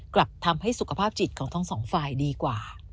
กลับทำให้สุขภาพจิตของทั้งสองฝ่ายดีกว่า